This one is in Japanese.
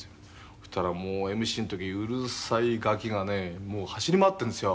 「そしたらもうＭＣの時うるさいガキがねもう走り回ってるんですよ」